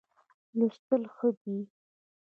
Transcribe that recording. لوستل ښه دی.